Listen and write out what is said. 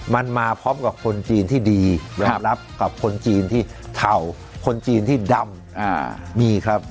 มันมาพร้อมกับคนจีนที่ดียอมรับกับคนจีนที่เทาคนจีนที่ดำมีครับ